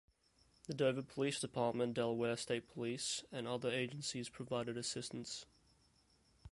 The Dover Police Department, Delaware State Police and other agencies provided assistance.